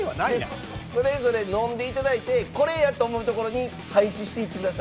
それぞれ飲んで頂いて「これや！」と思うところに配置していってください。